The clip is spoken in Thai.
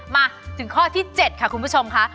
มาถึงข้อที่๗ค่ะคุณผู้ชมค่ะ